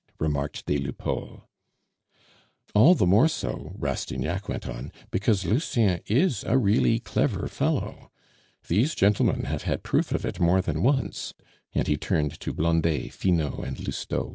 remarked des Lupeaulx. "All the more so," Rastignac went on, "because Lucien is a really clever fellow. These gentlemen have had proof of it more than once," and he turned to Blondet, Finot, and Lousteau.